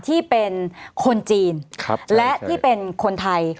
ที่เป็นคนจีนและที่เป็นคนไทย